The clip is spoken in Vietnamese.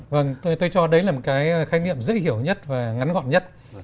vâng tôi cho đấy là một cái khái niệm dễ hiểu nhất và ngắn gọn nhất